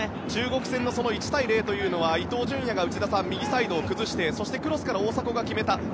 中国戦の１対０というのは伊東純也が内田さん、右サイドを崩してクロスから大迫が決めた。